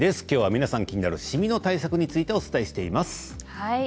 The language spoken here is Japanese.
きょうは皆さん気になるシミの対策についてお伝えしています。